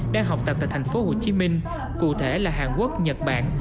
đang học tập tại thành phố hồ chí minh cụ thể là hàn quốc nhật bản